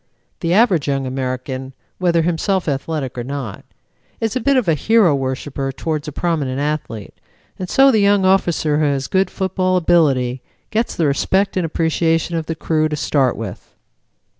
The average young American, whether himself athletic or not, is a bit of a hero worshipper towards a prominent athlete, and so the young officer who has good football ability gets the respect and appreciation of the crew to start with."